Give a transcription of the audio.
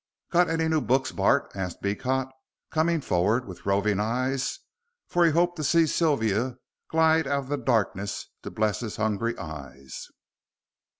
"Got any new books, Bart?" asked Beecot, coming forward with roving eyes, for he hoped to see Sylvia glide out of the darkness to bless his hungry eyes.